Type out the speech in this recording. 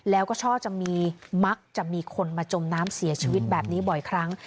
แล้วก็ช่อจะมีมักจะมีคนมาจมน้ำเสียชีวิตแบบนี้บ่อยครั้ง